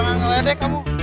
eh jangan ngeledek kamu